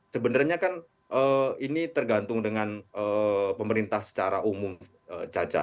sebenarnya kan ini tergantung dengan pemerintah secara umum caca